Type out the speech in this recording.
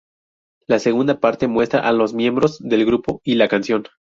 La segunda parte muestra a los miembros del grupo y la canción.